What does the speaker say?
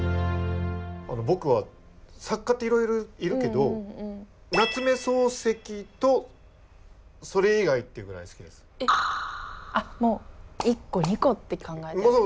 あの僕は作家っていろいろいるけど夏目漱石とそれ以外っていうぐらい好きです。って考えてるって事ですか？